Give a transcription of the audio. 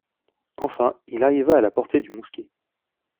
Enfin, il arriva à la portée du mousquet.